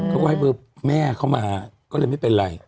เขาก็ให้เบอร์แม่เขามาก็เลยไม่เป็นไร